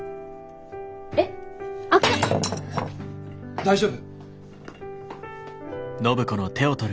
大丈夫？